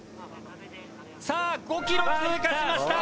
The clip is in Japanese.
さあ５ｋｍ通過しました。